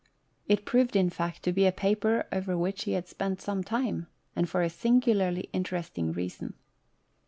It proved, in fact, to be a paper over which he had spent some time, and for a singularly interesting reason.